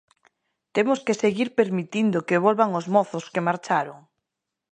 ¿Temos que seguir permitindo que volvan os mozos que marcharon?